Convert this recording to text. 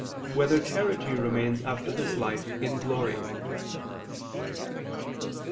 6] Whether Charity Remains After This Life, in Glory?